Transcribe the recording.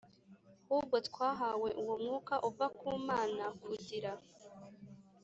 hubwo twahawe uwo Mwuka uva ku Mana kugira